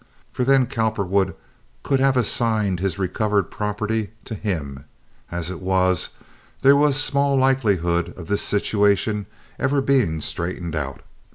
For then Cowperwood could have assigned his recovered property to him. As it was, there was small likelihood of this situation ever being straightened out.